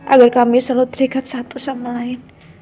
agar kami selalu terikat satu sama lain